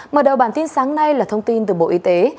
mở đầu bản tin sáng nay là thông tin từ bộ y tế